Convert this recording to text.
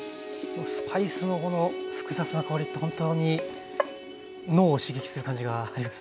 スパイスのこの複雑な香りって本当に脳を刺激する感じがありますね。